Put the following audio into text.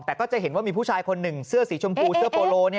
แต่ก็จะเห็นว่ามีผู้ชายคนหนึ่งเสื้อสีชมพูเสื้อโปโล